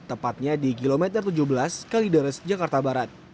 tepatnya di kilometer tujuh belas kalideres jakarta barat